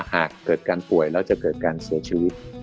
หากเกิดการป่วยแล้วจะเกิดการเสียชีวิต